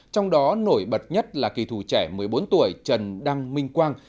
trong đó nổi bật nhất là kỳ thủ trẻ một mươi bốn tuổi trần đăng minh quang